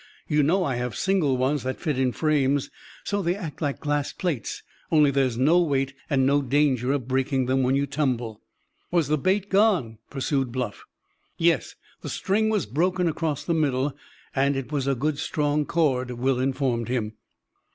"You know I have single ones that fit in frames, so they act like glass plates; only there's no weight, and no danger of breaking them when you tumble." "Was the bait gone?" pursued Bluff. "Yes, the string was broken across the middle; and it was a good strong cord," Will informed him.